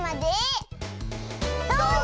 どうぞ！